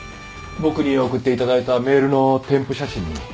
僕に送っていただいたメールの添付写真に。